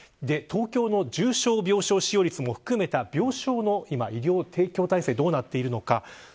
東京の重症病床使用率も含めた病床の医療提供体制がどうなっているのか。